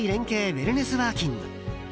ウェルネスワーキング。